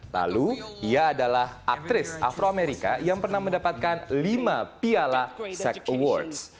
lalu ia adalah aktris afro amerika yang pernah mendapatkan lima piala seks awards